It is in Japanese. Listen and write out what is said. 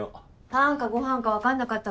パンかご飯かわかんなかったから。